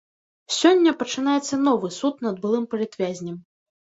Сёння пачынаецца новы суд над былым палітвязням.